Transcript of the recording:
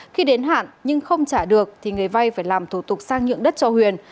khi đến hạn nhưng không trả được thì người vay phải làm thủ tục sang nhượng đất cho huyền